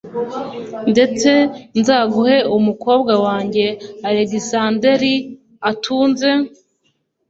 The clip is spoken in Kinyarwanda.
ndetse nzaguhe umukobwa wanjye alegisanderi atunze